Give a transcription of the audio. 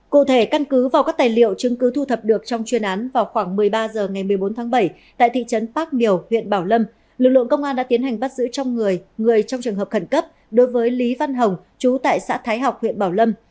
cụ thể căn cứ vào các tài liệu chứng cứ thu thập được trong chuyên án vào khoảng một mươi ba h ngày một mươi bốn tháng bảy tại thị trấn bác miều huyện bảo lâm lực lượng công an đã tiến hành bắt giữ trong người người trong trường hợp khẩn cấp đối với lý văn hồng chú tại xã thái học huyện bảo lâm